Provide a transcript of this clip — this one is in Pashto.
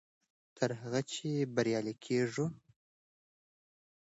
تر هغه چې بریالي کېږو.